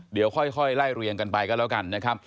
เดี๋ยวค่อยไล่เรียงกันไปก็แล้วกันนะครับ